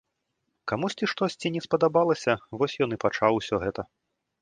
Камусьці штосьці не спадабалася, вось ён і пачаў усё гэта.